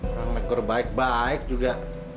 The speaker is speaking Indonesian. orang nekur baik baik juga